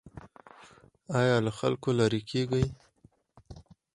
ایا له خلکو لرې کیږئ؟